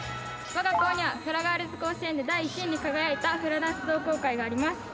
我が校にはフラガールズ甲子園で１に輝いたフラダンス同好会があります。